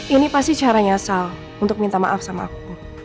ini pasti caranya sal untuk minta maaf sama aku